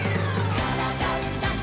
「からだダンダンダン」